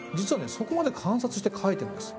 そこまで観察して描いてるんです。